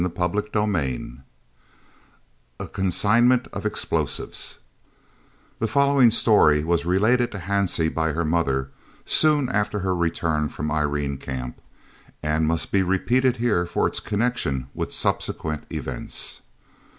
"] CHAPTER XVI A CONSIGNMENT OF EXPLOSIVES The following story was related to Hansie by her mother soon after her return from the Irene Camp, and must be repeated here for its connection with subsequent events.